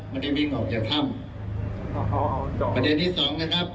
ไม่ได้วิ่งออกจากถ้ำประเด็นที่สองนะครับ